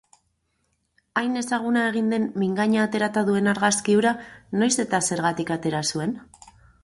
Hain ezaguna den mingaina aterata duen argazki hura noiz eta zergatik atera zuen?